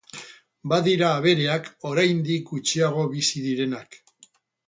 Badira abereak oraindik gutxiago bizi direnak.